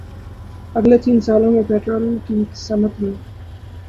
اگلے تین سالوں میں پٹرولیم کی صنعت میں